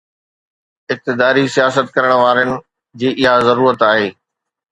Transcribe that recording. اقتداري سياست ڪرڻ وارن جي اها ضرورت آهي.